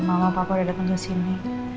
mama papa udah dateng kesini